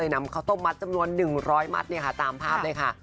นำข้าวต้มมัดจำนวน๑๐๐มัตต์ตามภาพเลยค่ะ